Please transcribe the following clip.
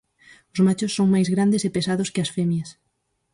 Os machos son máis grandes e pesados que as femias.